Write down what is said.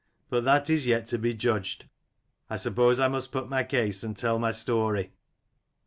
But that is yet to be judged: I suppose I must put my case, and tell my story.